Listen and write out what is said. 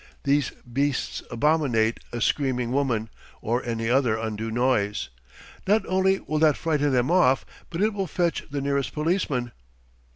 These beasts abominate a screaming woman, or any other undue noise. Not only will that frighten them off, but it will fetch the nearest policeman."